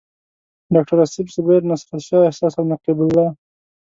ډاکټر اصف زبیر، نصرت شاه احساس او نقیب الله.